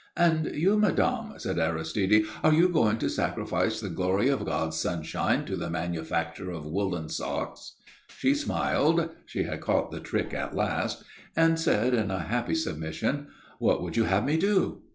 "And you, madame," said Aristide; "are you going to sacrifice the glory of God's sunshine to the manufacture of woollen socks?" She smiled she had caught the trick at last and said, in happy submission: "What would you have me do?"